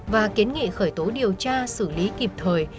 và kiến nghị khởi tố điều tra xử lý kịp thời